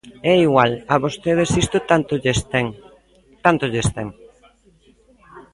É igual, a vostedes isto tanto lles ten, tanto lles ten.